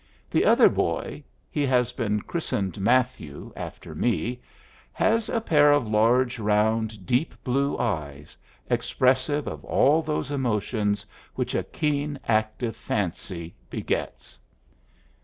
The other boy (he has been christened Matthew, after me) has a pair of large, round, deep blue eyes, expressive of all those emotions which a keen, active fancy begets.